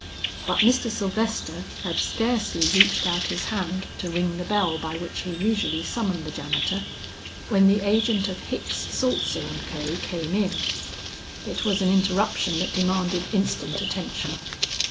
But Mr. Sylvester had scarcely reached out his hand to ring the bell by which he usually summoned the janitor, when the agent of Hicks, Saltzer & Co. came in. It was an interruption that demanded instant attention.